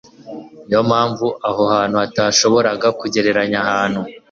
Ni yo mpamvu aho hantu hatashoboraga kugereranya ahantu